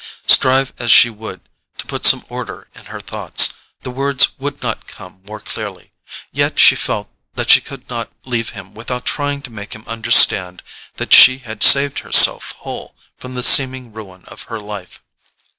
Strive as she would to put some order in her thoughts, the words would not come more clearly; yet she felt that she could not leave him without trying to make him understand that she had saved herself whole from the seeming ruin of her life.